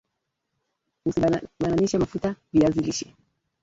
Usibananishe matuta viazi lishe